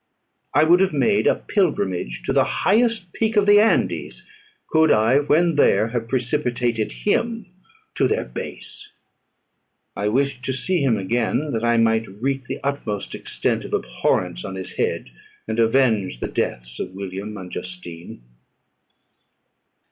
I would have made a pilgrimage to the highest peak of the Andes, could I, when there, have precipitated him to their base. I wished to see him again, that I might wreak the utmost extent of abhorrence on his head, and avenge the deaths of William and Justine.